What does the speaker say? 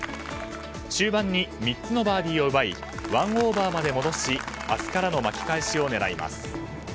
終盤に３つのバーディーを奪い１オーバーまで戻し明日からの巻き返しを狙います。